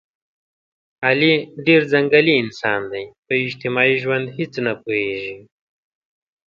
علي ډېر ځنګلي انسان دی، په اجتماعي ژوند هېڅ نه پوهېږي.